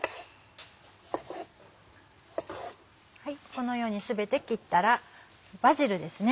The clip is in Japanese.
このように全て切ったらバジルですね。